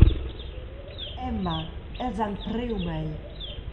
Emma, els han priu mei.